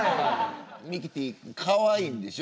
ミキティーかわいいんでしょ？